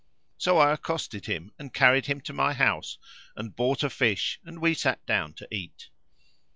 So I accosted him and carried him to my house and bought a fish, and we sat down to eat.